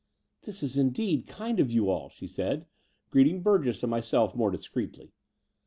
This is indeed kind of you all," she said, greet ing Burgess and myself more discreetly.